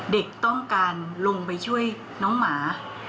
เด็กต้องการลงไปช่วยน้องหมา